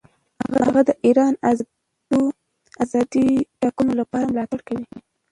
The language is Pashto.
هغه د ایران آزادو ټاکنو لپاره ملاتړ کوي.